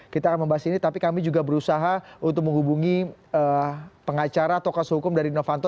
kita akan membahas ini tapi kami juga berusaha untuk menghubungi pengacara atau kasus hukum dari novanto